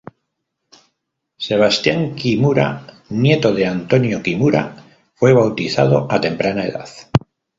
Sebastián Kimura, nieto de Antonio Kimura, fue bautizado a temprana edad.